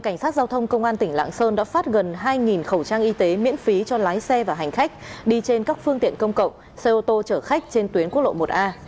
cảnh sát giao thông công an tỉnh lạng sơn đã phát gần hai khẩu trang y tế miễn phí cho lái xe và hành khách đi trên các phương tiện công cộng xe ô tô chở khách trên tuyến quốc lộ một a